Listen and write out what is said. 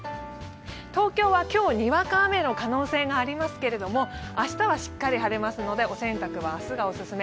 東京は今日、にわか雨の可能性がありますけれども明日はしっかり晴れますのでお洗濯は明日がおすすめ。